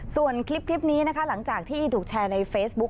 ส่วนคลิปนี้นะคะหลังจากที่ถูกแชร์ในเฟซบุ๊ค